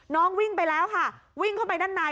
วิ่งไปแล้วค่ะวิ่งเข้าไปด้านใน